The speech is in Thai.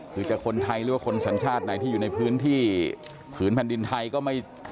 คือจะคนไทยหรือว่าคนสัญชาติไหนที่อยู่ในพื้นที่ผืนแผ่นดินไทยก็ไม่